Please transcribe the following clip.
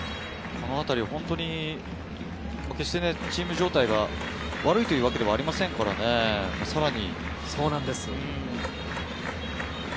このあたり、本当に決してチーム状態が悪いというわけではありませんからね、さらに。